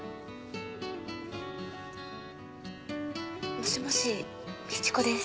もしもしみち子です。